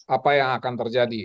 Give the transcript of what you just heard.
apa yang akan terjadi